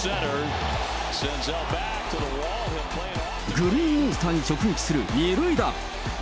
グリーンモンスターに直撃する２塁打。